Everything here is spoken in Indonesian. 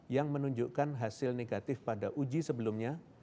yang menunjukkan hasil negatif pada uji sebelumnya